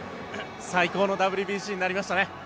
最高のＷＢＣになりましたね。